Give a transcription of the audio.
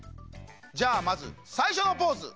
じゃあまずさいしょのポーズ。